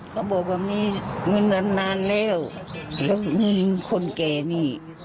เขาบอกว่ามีเงินนานแล้วแล้วมีคนเก่นี่